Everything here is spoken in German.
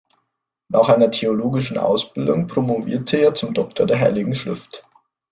Nach einer theologischen Ausbildung promovierte er zum Doktor der Heiligen Schrift.